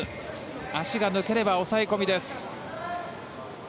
足が抜ければ抑え込みです。